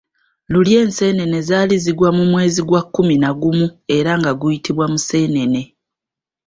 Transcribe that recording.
Luli enseenene zaali zigwa mu mwezi gwa kkumi na gumu era nga guyitibwa Museenene.